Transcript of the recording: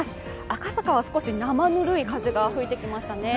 赤坂は少しなまぬるい風が吹いてきましたね。